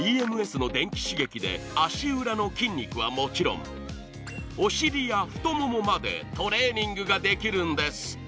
足裏の筋肉はもちろん、お尻や太ももまでトレーニングができるんです。